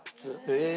へえ！